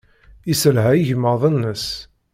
Yesselha igmaḍ-nnes.